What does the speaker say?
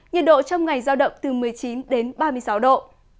nhiệt độ trong ngày giao động từ một mươi chín đến ba mươi sáu độ